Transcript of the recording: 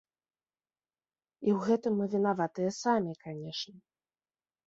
І ў гэтым мы вінаватыя самі, канешне.